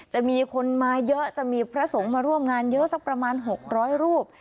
จะมีคนมาเยอะจะมีพระสงฆ์มาร่วมงานเยอะสักประมาณ๖๐๐รูป